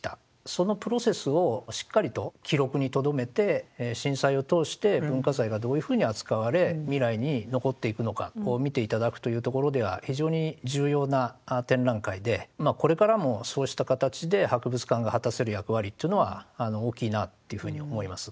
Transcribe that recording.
そのプロセスをしっかりと記録にとどめて震災を通して文化財がどういうふうに扱われ未来に残っていくのかを見て頂くというところでは非常に重要な展覧会でこれからもそうした形で博物館が果たせる役割というのは大きいなというふうに思います。